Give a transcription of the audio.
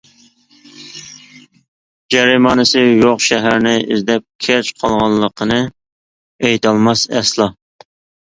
جەرىمانىسى يوق شەھەرنى ئىزدەپ كەچ قالغانلىقىنى ئېيتالماس ئەسلا.